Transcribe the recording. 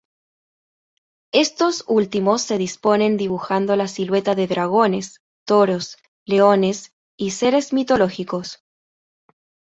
Estos últimos se disponen dibujando la silueta de dragones, toros, leones y seres mitológicos.